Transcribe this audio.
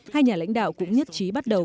hai nhà lãnh đạo cũng nhất trí bắt đầu